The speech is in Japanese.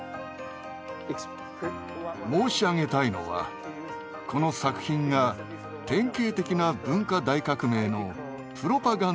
申し上げたいのはこの作品が典型的な文化大革命のプロパガンダ作品ということです。